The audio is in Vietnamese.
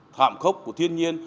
thảm khốc của thiên nhiên